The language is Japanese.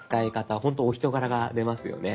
ほんとお人柄が出ますよね。